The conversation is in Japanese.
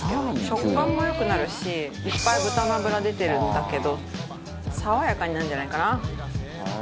食感も良くなるしいっぱい豚の脂出てるんだけど爽やかになるんじゃないかな。